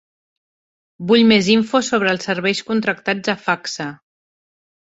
Vull més info sobre els serveis contractats a Facsa.